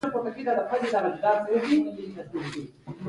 له ډېر خوړلو او لږ خوړلو څخه باید مخنیوی وشي په پښتو ژبه.